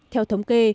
theo thống kê